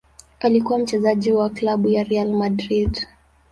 Alikuwa mchezaji wa klabu ya Real Madrid.